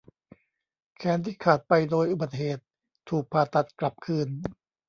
แขนที่ขาดไปโดยอุบัติเหตุถูกผ่าตัดกลับคืน